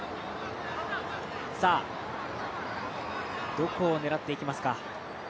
どこを狙っていきますか。